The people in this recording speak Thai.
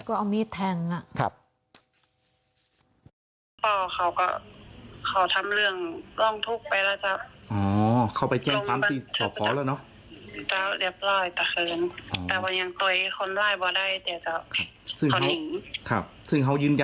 ก็เอามีดแทง